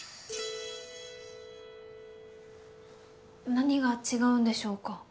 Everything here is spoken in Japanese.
何が違うんでしょうか？